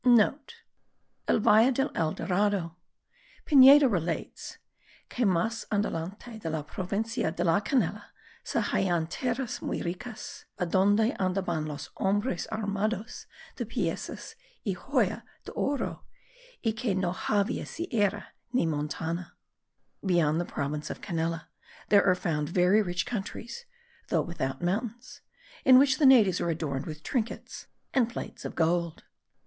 (* El valle del Dorado. Pineda relates: que mas adelante de la provincia de la Canela se hallan tierras muy ricas, adonde andaban los hombres armados de piecas y joyas de oro, y que no havia sierra, ni montana. [Beyond the province of Canela there are found very rich countries (though without mountains) in which the natives are adorned with trinkets and plates of gold.